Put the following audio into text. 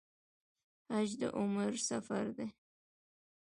حج د عمر سفر دی